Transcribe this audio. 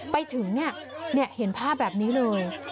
ไปถึงเห็นภาพแบบนี้เลย